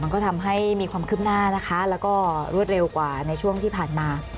ก็ทำให้มีความคืบหน้านะคะแล้วก็รวดเร็วกว่าในช่วงที่ผ่านมา